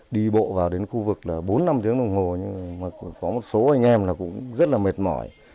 đi bộ vào đến khu vực bốn năm tiếng đồng hồ nhưng có một số anh em cũng rất mệt mỏi